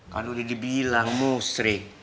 kalo dia dibilang musrik